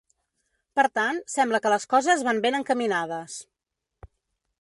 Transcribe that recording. Per tant, sembla que les coses van ben encaminades.